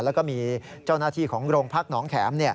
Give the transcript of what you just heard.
แล้วก็มีเจ้าหน้าที่ของโรงพักหนองแข็ม